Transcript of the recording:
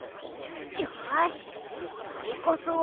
よしつぎこそは。